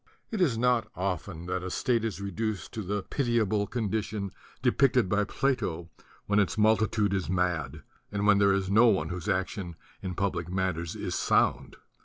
It is not often that a state is reduced to the pitiable condition depicted by Plato when its multitude is mad and when there is no one whose action in public matters is sound.